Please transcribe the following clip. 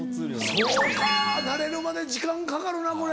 そうか慣れるまで時間かかるなこれ。